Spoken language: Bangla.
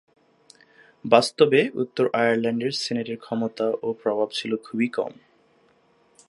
বাস্তবে উত্তর আয়ারল্যান্ডের সিনেটের ক্ষমতা ও প্রভাব ছিল খুবই কম।